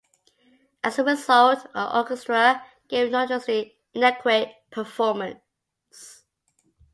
As a result, the orchestra gave a notoriously inadequate performance.